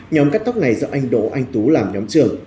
nhóm cắt tóc này do anh đỗ anh tú làm nhóm trưởng